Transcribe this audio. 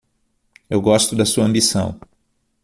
Eu gosto da sua ambição